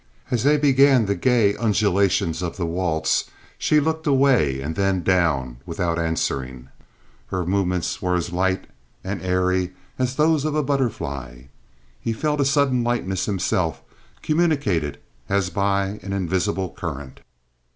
As they began the gay undulations of the waltz she looked away and then down without answering. Her movements were as light and airy as those of a butterfly. He felt a sudden lightness himself, communicated as by an invisible current.